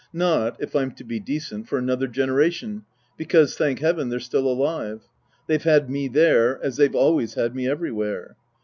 Not if I'm to be decent for another generation, because, thank Heaven, they're still alive. (They've had me there, as they've always had me every where.)